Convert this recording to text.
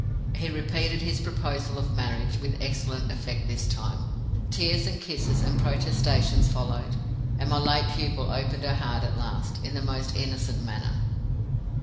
He repeated his proposal of marriage, with excellent effect this time. Tears and kisses and protestations followed; and my late pupil opened her heart at last, in the most innocent manner.